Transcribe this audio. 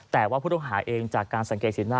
แต่ว่าผู้ต้องหาเองจากการสังเกตสินหน้า